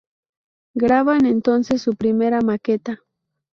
Graban entonces su primera maqueta.